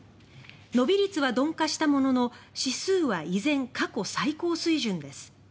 伸び率は鈍化したものの指数は依然、過去最高水準です。